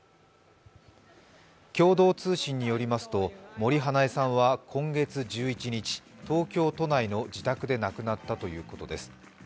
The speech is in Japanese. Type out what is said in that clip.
共同通信によりますと森英恵さんは今月１１日、東京都内の自宅で亡くなったということです。